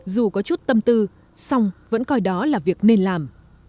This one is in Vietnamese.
dù có chút tâm tư song vẫn coi đó là việc nên làm